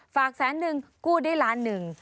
แสนนึงกู้ได้ล้านหนึ่ง